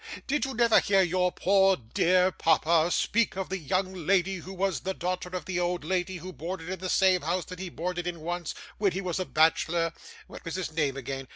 Did you never hear your poor dear papa speak of the young lady who was the daughter of the old lady who boarded in the same house that he boarded in once, when he was a bachelor what was her name again?